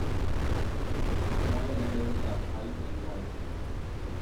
The smaller letters are high and wide.